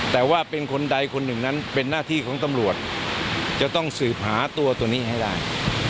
แต่ว่าเป็นคนใดคนหนึ่งนั้นเป็นหน้าที่ของตำรวจจะต้องสืบหาตัวตัวนี้ให้ได้